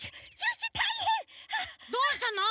どうしたの？